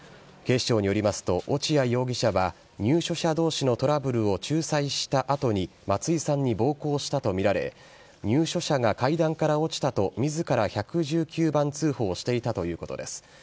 警視庁によりますと、落合容疑者は、入所者どうしのトラブルを仲裁したあとに、松井さんに暴行したと見られ、入所者が階段から落ちたと、みずから１１９番通報していたということです。